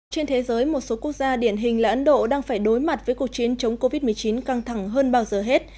trên thế giới một số quốc gia điển hình là ấn độ đang phải đối mặt với cuộc chiến chống covid một mươi chín căng thẳng hơn bao giờ hết